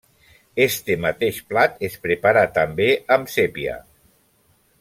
Este mateix plat es prepara també amb sépia.